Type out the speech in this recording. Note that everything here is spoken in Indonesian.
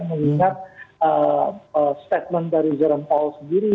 mengingat statement dari jerome paul sendiri